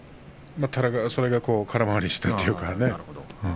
それが空回りしたというかね。